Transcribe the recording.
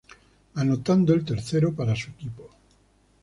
Anotando el tercero para su equipo.